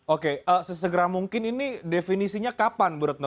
oke sesegera mungkin ini definisinya kapan burutno